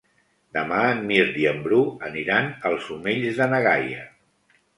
Demà en Mirt i en Bru aniran als Omells de na Gaia.